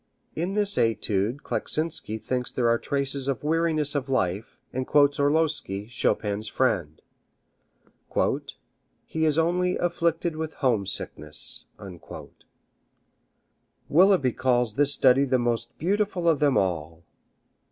In this etude Kleczynski thinks there are traces of weariness of life, and quotes Orlowski, Chopin's friend, "He is only afflicted with homesickness." Willeby calls this study the most beautiful of them all.